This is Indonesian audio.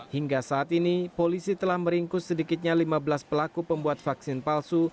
hingga saat ini polisi telah meringkus sedikitnya lima belas pelaku pembuat vaksin palsu